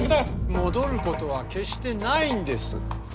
戻ることは決してないんです。